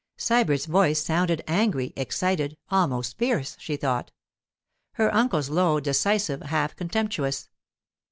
Sybert's voice sounded angry, excited, almost fierce, she thought; her uncle's, low, decisive, half contemptuous.